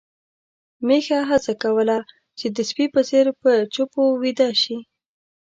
میښه هڅه کوله چې د سپي په څېر په چپو ويده شي.